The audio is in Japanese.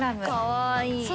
かわいい。